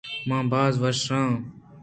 من باز وش آں۔